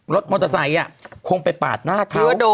รถมอเตอร์ไซค์คงไปปาดหน้าเขา